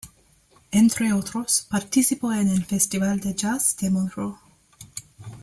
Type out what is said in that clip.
Entre otros, participó en el Festival de Jazz de Montreux.